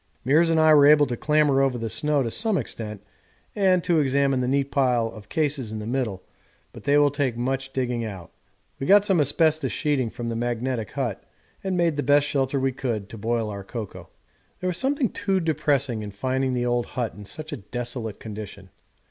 Meares and I were able to clamber over the snow to some extent and to examine the neat pile of cases in the middle, but they will take much digging out. We got some asbestos sheeting from the magnetic hut and made the best shelter we could to boil our cocoa. There was something too depressing in finding the old hut in such a desolate condition.